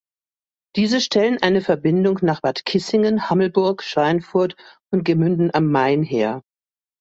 Diese stellen eine Verbindung nach Bad Kissingen, Hammelburg, Schweinfurt und Gemünden am Main her.